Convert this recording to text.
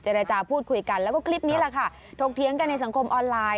จาพูดคุยกันแล้วก็คลิปนี้แหละค่ะถกเถียงกันในสังคมออนไลน์